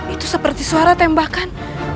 itu seperti suara tembakan